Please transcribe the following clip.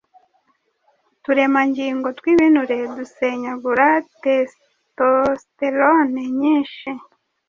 uturemangingo tw’ibinure dusenyagura testosterone nyinshi